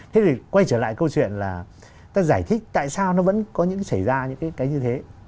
thế thì quay trở lại câu chuyện là ta giải thích tại sao nó vẫn có những cái xảy ra những cái như thế